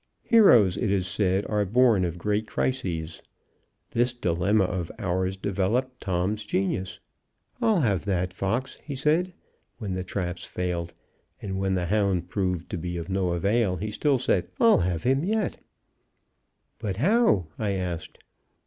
Heroes, it is said, are born of great crises. This dilemma of ours developed Tom's genius. "I'll have that fox," he said, when the traps failed; and when the hound proved of no avail he still said: "I'll have him yet." "But how?" I asked.